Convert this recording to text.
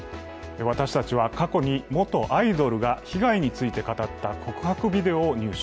私たちは過去に元アイドルが被害について語った告白ビデオを入手。